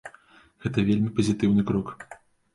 Гэта вельмі пазітыўны крок.